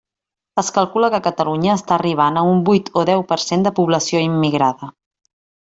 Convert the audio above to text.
Es calcula que Catalunya està arribant a un vuit o deu per cent de població immigrada.